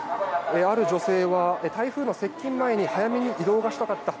ある女性は、台風の接近前に早めに移動がしたかった。